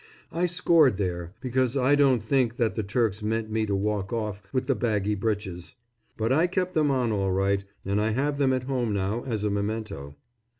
I scored there, because I don't think that the Turks meant me to walk off with the baggy breeches. But I kept them on all right, and I have them at home now, as a memento.